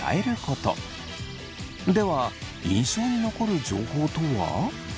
では印象に残る情報とは？